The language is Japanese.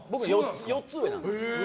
４つ上なんです。